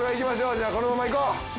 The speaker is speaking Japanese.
じゃあこのまま行こう！